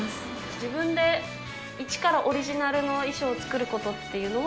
自分で一からオリジナルの衣装を作ることっていうのは。